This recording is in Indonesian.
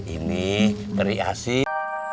ini teri asin